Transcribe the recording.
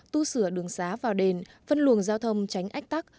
tu sửa đường xá vào đền phân luồng giao thông tránh ách tắc